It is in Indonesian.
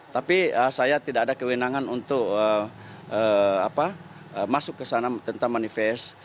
tapi saya tidak ada kewenangan untuk masuk ke sana tentang manifest